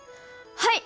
はい！